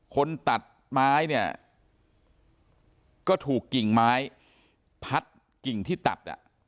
คนตัดไม้เนี่ยก็ถูกกิ่งไม้พัดกิ่งที่ตัดอ่ะ